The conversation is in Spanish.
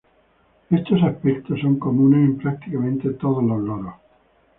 Estos aspectos son comunes en prácticamente todos los loros.